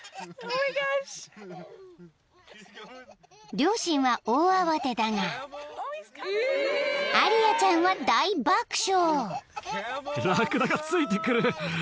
［両親は大慌てだがアリアちゃんは大爆笑］